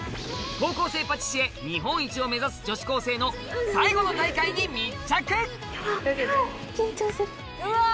高校生パティシエ日本一を目指す女子高生の最後の大会に密着緊張する！